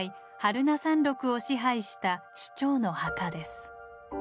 榛名山麓を支配した首長の墓です。